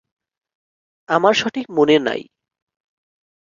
আমার সঠিক মনে নাই।